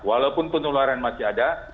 walaupun penularan masih ada